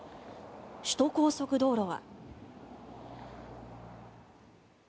首都高速道路は。